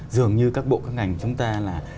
dường như các bộ các ngành chúng ta là